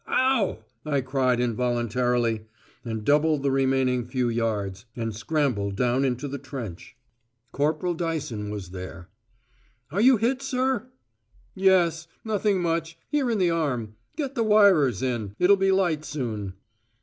"Ow," I cried out involuntarily, and doubled the remaining few yards, and scrambled down into the trench. Corporal Dyson was there. "Are you hit, sir?" "Yes. Nothing much here in the arm. Get the wirers in. It'll be light soon."